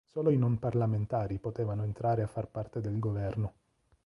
Solo i non parlamentari potevano entrare a far parte del governo.